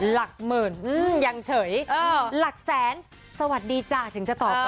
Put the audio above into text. หลักหมื่นหลักแสนสวัสดีจ้าถึงจะตอบกลับมา